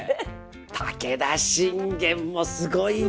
武田信玄もすごいね！